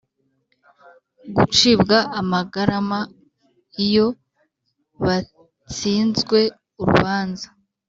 gucibwa amagarama iyo batsinzwe urubanza